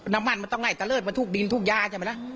น้ำมันมันต้องไล่ตะเลิศมันทุกดินทุกยาใช่ไหมล่ะ